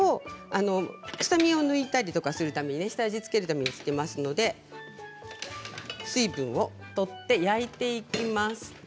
臭みを抜いたりするためと下味を付けるためにしますので水分を取って焼いていきます。